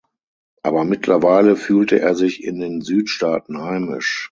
Aber mittlerweile fühlte er sich in den Südstaaten heimisch.